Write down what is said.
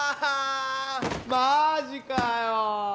マジかよ！